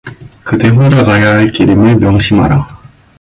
그대 혼자 가야할 길임을 명심하라.